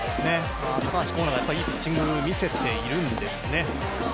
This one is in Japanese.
高橋光成がいいピッチングを見せているんですね。